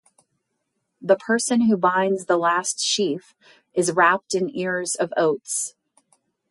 The person who binds the last sheaf is wrapped in ears of oats.